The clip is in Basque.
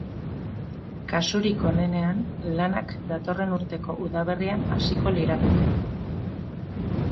Kasurik onenean, lanak datorren urteko udaberrian hasiko lirateke.